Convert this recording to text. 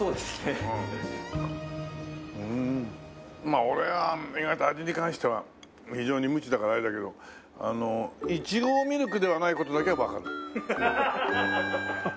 まあ俺は意外と味に関しては非常に無知だからあれだけどいちごミルクではない事だけはわかる。